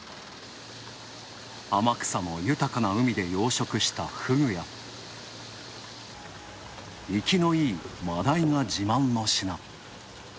天草の豊かな海で養殖したフグや、いきのいい真鯛が自慢の品。